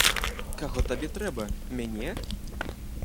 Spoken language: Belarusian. Каго табе трэба, мяне?